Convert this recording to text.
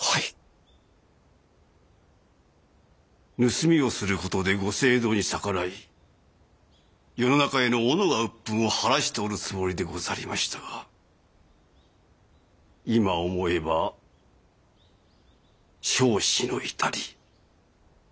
盗みをする事で御政道に逆らい世の中へのおのが鬱憤を晴らしておるつもりでござりましたが今思えば笑止の至り。